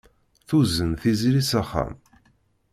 Tuzen Tiziri s axxam.